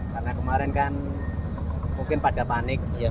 karena kemarin kan mungkin pada panik